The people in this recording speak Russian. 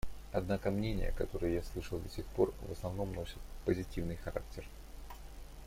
Однако мнения, которые я слышал до сих пор, в основном носят позитивный характер.